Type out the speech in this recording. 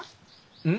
うん？